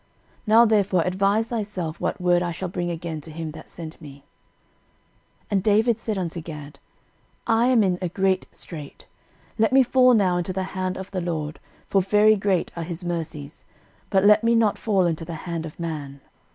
Now therefore advise thyself what word I shall bring again to him that sent me. 13:021:013 And David said unto Gad, I am in a great strait: let me fall now into the hand of the LORD; for very great are his mercies: but let me not fall into the hand of man.